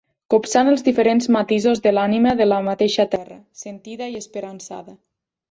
Copsant els diferents matisos de l'ànima de la mateixa terra, sentida i esperançada.